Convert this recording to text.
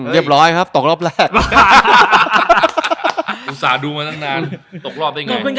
เรียบร้อยเหรออุติจนตกรอบแลด